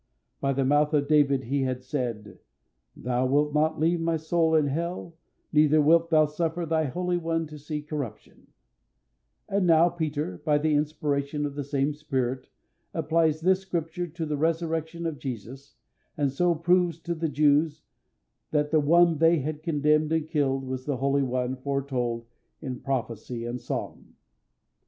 By the mouth of David He had said: "Thou wilt not leave My soul in hell, neither wilt Thou suffer Thy Holy One to see corruption"; and now Peter, by the inspiration of the same Spirit, applies this Scripture to the resurrection of Jesus, and so proves to the Jews that the One they had condemned and killed was the Holy One foretold in prophecy and psalm.